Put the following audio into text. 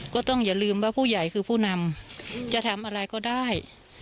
ก็ต้องอย่าลืมว่าผู้ใหญ่คือผู้นำจะทำอะไรก็ได้